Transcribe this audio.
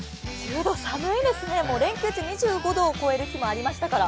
寒いですね、連休中、２５度を超える日もありましたから。